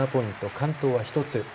完登は１つ。